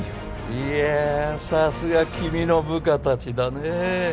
いやさすが君の部下達だね